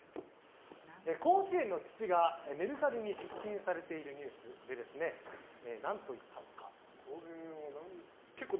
甲子園の土がメルカリに出品されているニュースで何と言ったのか。